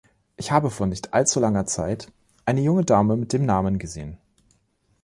Ich habe vor nicht langer Zeit eine junge Dame mit dem Namen gesehen.